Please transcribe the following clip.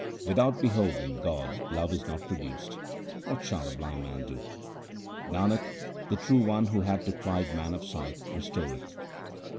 Without beholding God love is not produced ; what shall a blind man do ? Nanak, the True One who hath deprived man of sight can restore it.